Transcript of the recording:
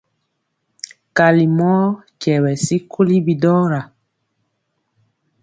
Kali mɔ kyɛwɛ sikoli bidɔra.